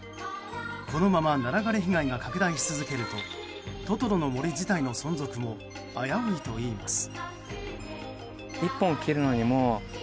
このままナラ枯れ被害が拡大し続けるとトトロの森自体の存続も危ういといいます。